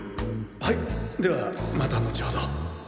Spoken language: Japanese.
はいではまた後ほど。